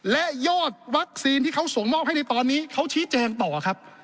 และยอดวัคซีนที่เขาส่งมอบให้ในตอนนี้เขาชี้แจงต่อครับ